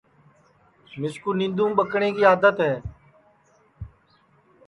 مِسکُو نینٚدُؔوم ٻکٹؔیں کی آدت ہے